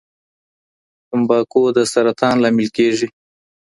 تمباکو د سرطان لامل کیږي.